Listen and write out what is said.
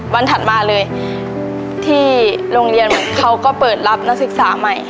ถัดมาเลยที่โรงเรียนเขาก็เปิดรับนักศึกษาใหม่